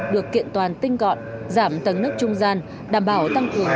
được kiện toàn tinh gọn giảm tầng nước trung gian đảm bảo tăng cường